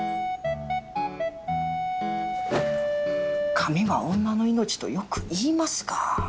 「髪は女の命」とよく言いますが。